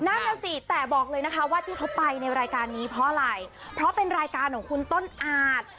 นั่งนะสิเป็นรายการของคุณต้นอาจ